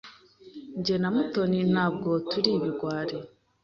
Jye na Mutoni ntabwo turi ibigwari.